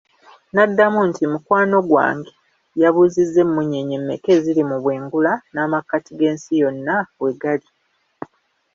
N'addamu nti, mukwano gwange yabuuziza emunyeenye mekka eziri mu bwengula, n'amakkati g'ensi yonna we gali?